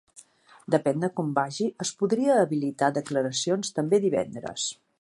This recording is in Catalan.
Depèn de com vagi es podria habilitar declaracions també divendres.